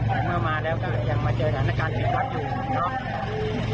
แต่เมื่อมาแล้วก็ยังมาเจอกับนักการติดวัดอยู่